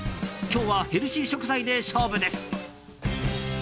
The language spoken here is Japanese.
今日はヘルシー食材で勝負です。